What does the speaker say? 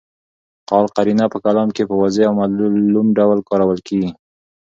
قال قرینه په کلام کي په واضح او معلوم ډول کارول کیږي.